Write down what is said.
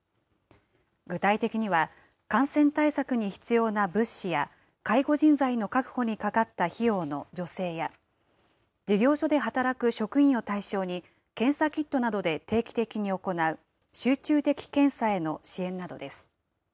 具体的には、感染対策に必要な物資や、介護人材の確保にかかった費用の助成や、事業所で働く職員を対象に検査キットなどで定期的に行う集中的検査への支援などです。